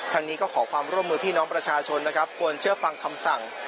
ทางนี้ก็ขอความร่วมมือพี่น้องประชาชนนะครับควรเชื่อฟังคำสั่ง